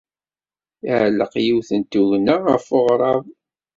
Iɛelleq yiwet n tugna ɣef weɣrab.